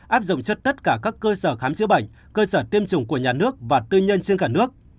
áp dụng cho tất cả các cơ sở khám chữa bệnh cơ sở tiêm chủng của nhà nước và tư nhân trên cả nước